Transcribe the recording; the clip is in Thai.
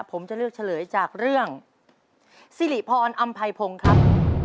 ผมจะเลือกเฉลยจากเรื่องสิริพรอำไพพงศ์ครับ